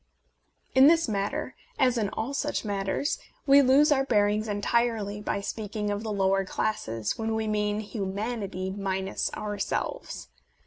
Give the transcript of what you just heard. In this matter, as in all such matters, we lose our bearings entirely by speaking of the "lower classes" when we mean hu manity minus ourselves.